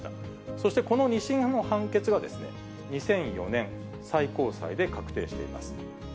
そしてこの２審の判決は２００４年、最高裁で確定しています。